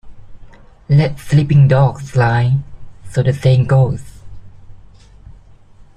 Let sleeping dogs lie, so the saying goes.